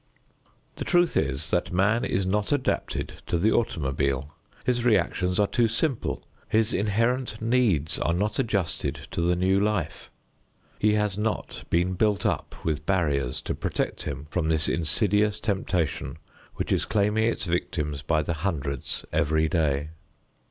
The truth is that man is not adapted to the automobile. His reactions are too simple; his inherent needs are not adjusted to the new life; he has not been built up with barriers to protect him from this insidious temptation which is claiming its victims by the hundreds every day.